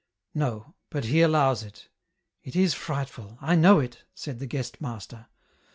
" No, but He allows it. It is frightful, I know it," said the guest master.